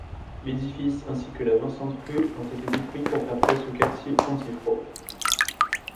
L’édifice ainsi que la Vincentrue ont été détruits pour faire place au quartier Pontiffroy.